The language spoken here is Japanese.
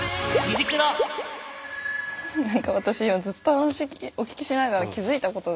何か私ずっと話お聞きしながら気付いたことがあるんですよ。